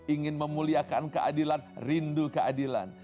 ingin memuliakan keadilan rindu keadilan